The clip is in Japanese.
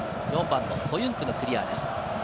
ソユンクのクリアです。